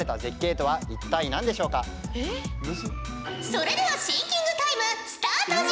それではシンキングタイムスタートじゃ！